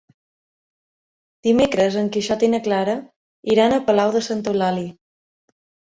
Dimecres en Quixot i na Clara iran a Palau de Santa Eulàlia.